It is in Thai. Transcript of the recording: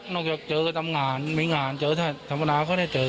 นอกจากเจอกับทำงานไม่งานเจอธรรมนาเค้าได้เจอกัน